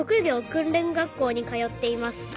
くんれん学校に通っています」